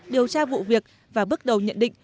điều tra vụ việc và bước đầu nhận định